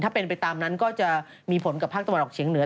ถ้าเป็นไปตามนั้นก็จะมีผลกับภาคตะวันออกเฉียงเหนือ